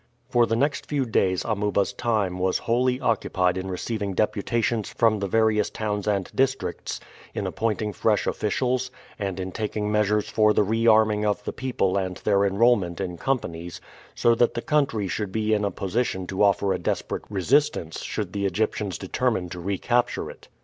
For the next few days Amuba's time was wholly occupied in receiving deputations from the various towns and districts, in appointing fresh officials, and in taking measures for the rearming of the people and their enrolment in companies, so that the country should be in a position to offer a desperate resistance should the Egyptians determine to recapture it.